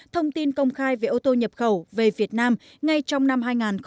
thông tin công khai về ô tô nhập khẩu về việt nam ngay trong năm hai nghìn hai mươi